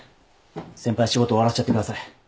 先輩仕事終わらせちゃってください。